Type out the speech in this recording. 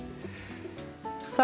さあ